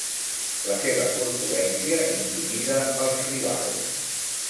La seva corpulència intimida els rivals.